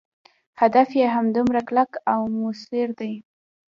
هدف یې همدومره کلک او موثر دی.